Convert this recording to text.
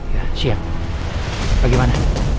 ya siap bagaimana